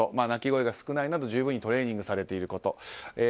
鳴き声が少ないなど十分にトレーニングされていること。